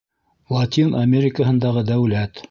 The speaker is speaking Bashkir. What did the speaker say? Латин Америкаһындағы дәүләт.